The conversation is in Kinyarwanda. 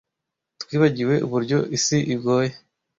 twibagiwe uburyo isi igoye